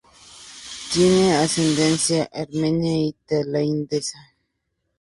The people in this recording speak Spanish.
Tiene ascendencia armenia y tailandesa.